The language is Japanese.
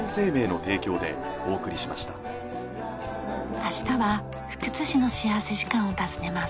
明日は福津市の幸福時間を訪ねます。